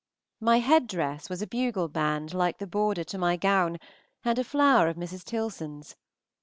My head dress was a bugle band like the border to my gown, and a flower of Mrs. Tilson's.